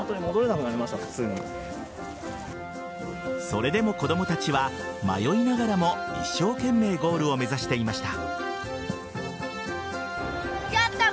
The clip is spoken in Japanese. それでも子供たちは迷いながらも一生懸命ゴールを目指していました。